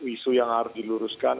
isu yang harus diluruskan